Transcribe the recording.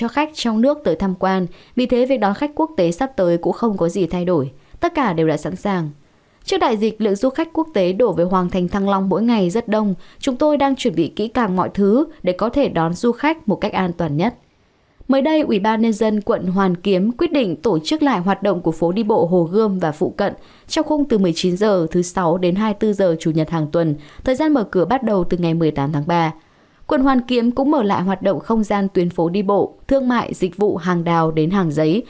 khu di tích hoàng thành thăng long cũng mở lại hoạt động không gian tuyến phố đi bộ thương mại dịch vụ hàng đào đến hàng giấy